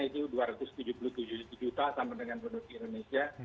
itu dua ratus tujuh puluh tujuh juta sama dengan penduduk indonesia